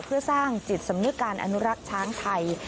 เพื่อสร้างจิตสำนึกการอนุรักษ์ช้างไทย